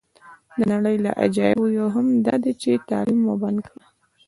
د نړۍ له عجایبو یوه هم داده چې تعلیم مو بند کړی.